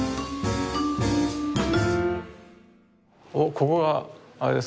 ここがあれですか？